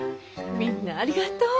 みんなありがとう。